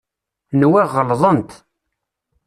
Nwiɣ ɣelḍent.